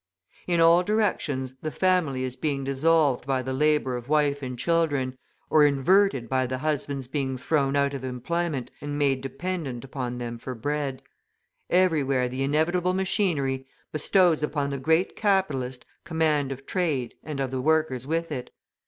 In all directions the family is being dissolved by the labour of wife and children, or inverted by the husband's being thrown out of employment and made dependent upon them for bread; everywhere the inevitable machinery bestows upon the great capitalist command of trade and of the workers with it.